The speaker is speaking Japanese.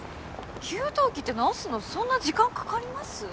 給湯器って直すのそんな時間かかります？